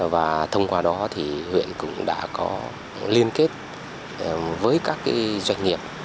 và thông qua đó thì huyện cũng đã có liên kết với các doanh nghiệp